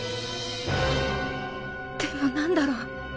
でもなんだろう。